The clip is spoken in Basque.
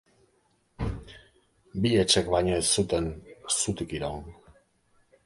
Bi etxek baino ez zuten zutik iraun.